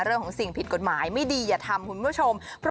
เรื่องของสิ่งผิดกฎหมายไม่ดีอย่าทำคุณผู้ชม